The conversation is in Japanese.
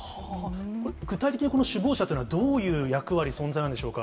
具体的にこの首謀者というのはどういう役割、存在なんでしょうか。